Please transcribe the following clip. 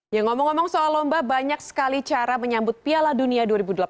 yang ngomong ngomong soal lomba banyak sekali cara menyambut piala dunia dua ribu delapan belas